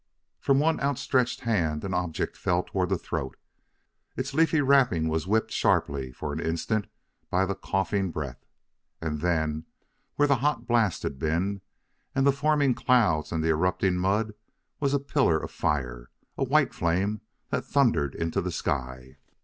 From one outstretched hand an object fell toward the throat; its leafy wrapping was whipped sharply for an instant by the coughing breath.... And then, where the hot blast had been, and the forming clouds and the erupting mud, was a pillar of fire a white flame that thundered into the sky.